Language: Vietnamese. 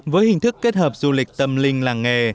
với hình thức kết hợp du lịch tâm linh làng nghề